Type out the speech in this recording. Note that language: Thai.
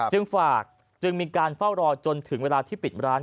จึงฝากจึงมีการเฝ้ารอจนถึงเวลาที่ปิดร้าน